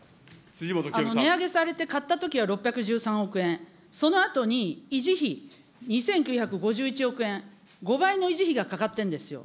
あの、値上げされて買ったときは６１３億円、そのあとに維持費２９５１億円、５倍の維持費がかかっているんですよ。